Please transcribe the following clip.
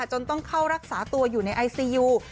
จนต้องเข้ารักษาตัวอยู่ในไอซียู